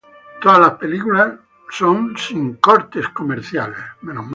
Todas las películas son sin "cortes comerciales".